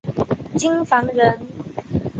京房人。